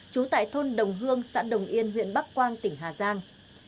trú tại thôn đồng hương xã đồng yên huyện bắc quang tỉnh hà giang